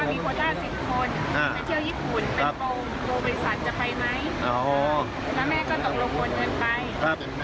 ตอนแรกแม่พักเข้าไปแม่ชีวิตเขาบอกว่ามีโปรดศาสตร์๑๐คน